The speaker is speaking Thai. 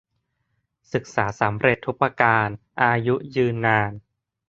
ศึกษาสำเร็จทุกประการ อายุยืนนาน